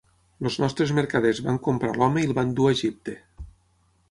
Els nostres mercaders van comprar l'home i el van dur a Egipte.